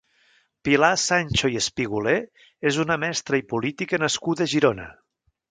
Pilar Sancho i Espigulé és una mestra i política nascuda a Girona.